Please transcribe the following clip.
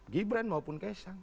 gibran maupun kesang